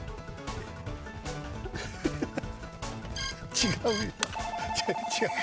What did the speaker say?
違う。